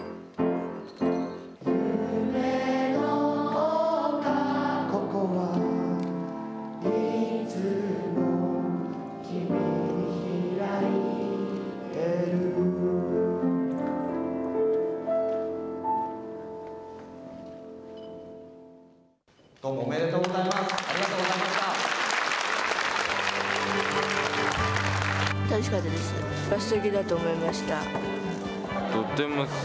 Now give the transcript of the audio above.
どうもおめでとうございます。